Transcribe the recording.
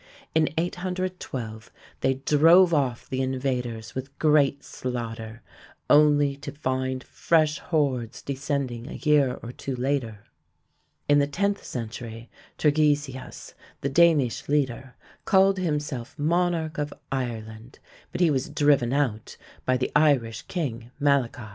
In 812 they drove off the invaders with great slaughter, only to find fresh hordes descending a year or two later. In the tenth century, Turgesius, the Danish leader, called himself monarch of Ireland, but he was driven out by the Irish king, Malachi.